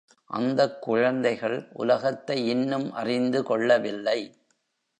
அந்தக் குழந்தைகள் உலகத்தை இன்னும் அறிந்து கொள்ளவில்லை.